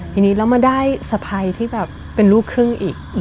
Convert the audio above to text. ทีนี้เรามาได้สะพายที่แบบเป็นลูกครึ่งอีก